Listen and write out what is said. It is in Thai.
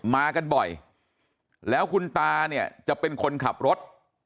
มากันบ่อยแล้วคุณตาเนี่ยจะเป็นคนขับรถ